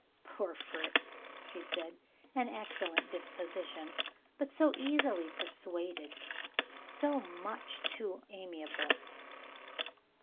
"Poor Fritz!" she said. "An excellent disposition but so easily persuaded, so much too amiable.